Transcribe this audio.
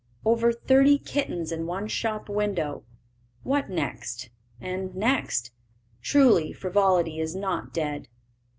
Over thirty kittens in one shop window. What next, and next? Truly frivolity is not dead!